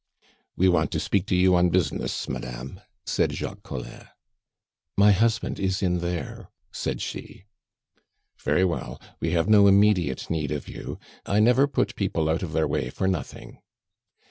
"We want to speak to you on business, madame," said Jacques Collin. "My husband is in there," said she. "Very well; we have no immediate need of you. I never put people out of their way for nothing."